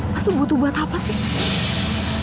mas lu butuh buat apa sih